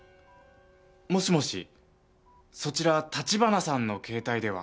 もしもしそちら橘さんの携帯では？